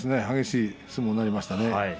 激しい相撲になりましたね。